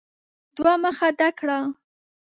دوه مخه ډک کړه !